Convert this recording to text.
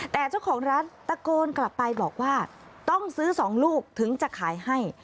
แต่เจ้าของร้านตะโกนกลับไปบอกว่าต้องซื้อ๒ลูกถึงจะขายให้